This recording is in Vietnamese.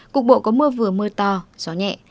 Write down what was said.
cục bộ có mưa vừa mưa to gió nhẹ